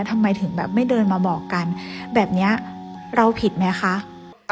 ทำไมถึงแบบไม่เดินมาบอกกันแบบนี้เราผิดไหมคะ